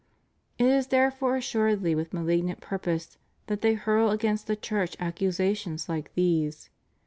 It is therefore assuredly with malignant purpose that they hurl against the Church accusations hke these.